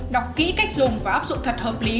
đọc kỹ cách dùng và áp dụng thật hợp lý